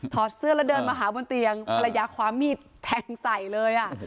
อดเสื้อแล้วเดินมาหาบนเตียงภรรยาคว้ามีดแทงใส่เลยอ่ะ